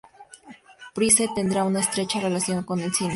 Price tendrá una estrecha relación con el cine.